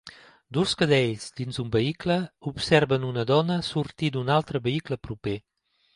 Dos cadells dins un vehicle observen una dona sortir d'un altre vehicle proper.